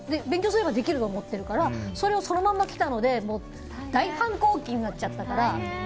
勉強すればできると思ってるからそれをそのまんまきたので大反抗期になっちゃったから。